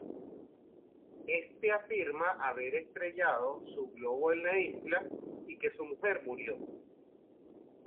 Este afirma haber estrellado su globo en la isla, y que su mujer murió.